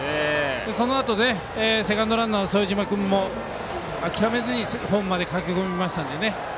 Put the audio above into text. そのあと、セカンドランナーの副島君も諦めずにホームまで駆け込みましたのでね。